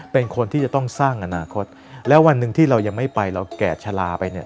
เป็นคนที่จะต้องสร้างอนาคตแล้ววันหนึ่งที่เรายังไม่ไปเราแก่ชะลาไปเนี่ย